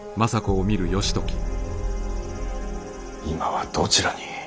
今はどちらに。